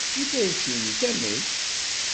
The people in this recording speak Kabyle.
I tayet-nnek, amek?